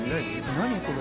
何これ？